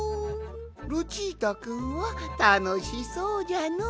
ルチータくんはたのしそうじゃのう。